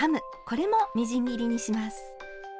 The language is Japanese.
これもみじん切りにします。